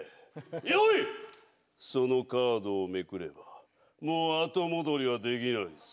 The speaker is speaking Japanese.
そのカードをめくればもう後戻りはできないぞ。